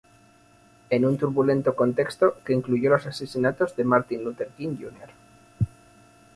En un turbulento contexto que incluyó los asesinatos de Martin Luther King, Jr.